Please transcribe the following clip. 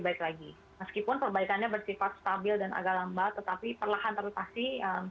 baik lagi meskipun perbaikannya bersifat stabil dan agak lambat tetapi perlahan lahan pasti yang